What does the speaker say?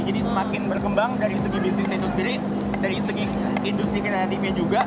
jadi semakin berkembang dari segi bisnisnya sendiri dari segi industri kreatifnya juga